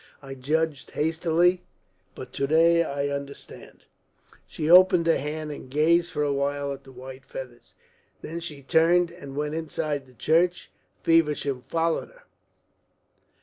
I judged hastily; but to day I understand." She opened her hand and gazed for a while at the white feathers. Then she turned and went inside the church. Feversham followed her.